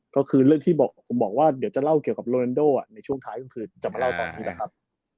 ก็คือเรื่องที่ผมบอกว่าเดี๋ยวจะเล่าเกี่ยวกับโรนันโดในช่วงท้ายก็คือจะมาเล่าตอนนี้นะครับ